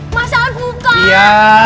mas al buka